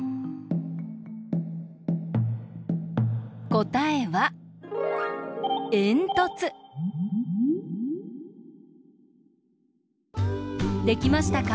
こたえはできましたか？